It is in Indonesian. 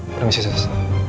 terima kasih sus